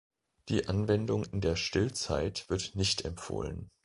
Die Anwendung in der Stillzeit wird nicht empfohlen.